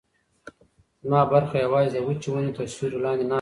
زما برخه یوازې د وچې ونې تر سیوري لاندې ناسته ده.